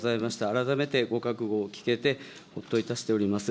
改めてご覚悟を聞けて、ほっといたしております。